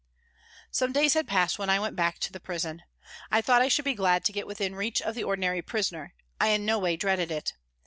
Some days had passed when I went back to the prison. I thought I should be glad to get within reach of the ordinary prisoner, I in no way dreaded it.